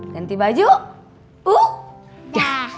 ganti baju udah